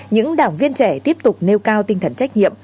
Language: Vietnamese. những đảng viên trẻ tiếp tục nêu cao tinh thần trách nhiệm